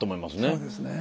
そうですね。